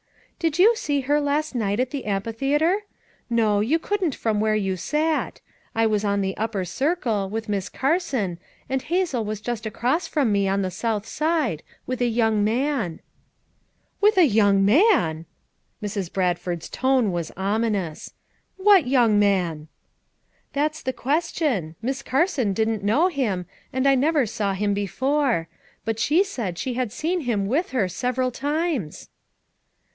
"Did you see her last night at the am phitheater? No, you couldn't from where you sat; I was on the upper circle, with Miss Car son, and Hazel was just across from me on the South side, with a young man." "With a young manl" Mrs. Bradford's tone was ominous. "What young man?" "That's the question. Miss Carson didn't know him, and I never saw him before; but she said she had seen him with her several times."